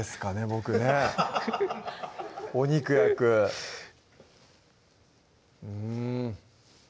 僕ねお肉焼くうん